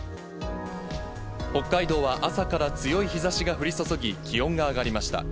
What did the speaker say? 北海道は朝から強い日ざしが降り注ぎ、気温が上がりました。